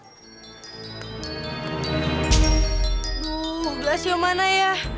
aduh gelasio mana ya